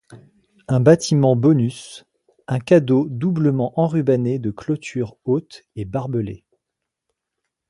Un bâtiment bonus, un cadeau doublement enrubanné de clôtures hautes et barbelées.